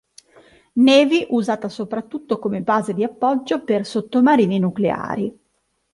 Navy usata soprattutto come base di appoggio per sottomarini nucleari.